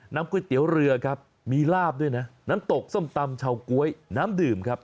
ก๋วยเตี๋ยวเรือครับมีลาบด้วยนะน้ำตกส้มตำเชาก๊วยน้ำดื่มครับ